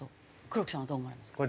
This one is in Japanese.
黒木さんはどう思われますか？